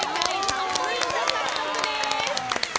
３ポイント獲得です。